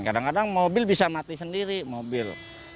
kadang kadang mobil bisa mati sendiri mobil